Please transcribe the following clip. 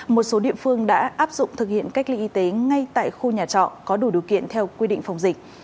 một số địa phương đã áp dụng thực hiện cách ly y tế ngay tại khu nhà trọ có đủ điều kiện theo quy định phòng dịch